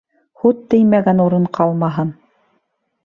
Һут теймәгән урын ҡалмаһын.